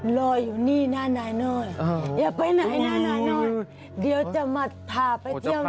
ร้อยอยู่นี่หน้านายน้อยอย่าไปไหนหน้านายน้อยเดี๋ยวจะมาพาไปเจียมเหนือ